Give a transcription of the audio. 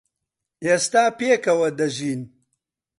ئێستا پێکەوە دەژین.